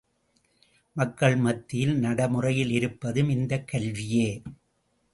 மக்கள் மத்தியில் நடைமுறையில் இருப்பதும் இந்தக் கல்வியே!